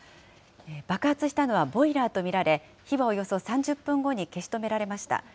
爆発したのはボイラーと見られ、火はおよそ３０分後に消し止められました。